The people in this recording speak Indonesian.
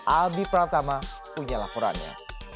albi pratama punya laporannya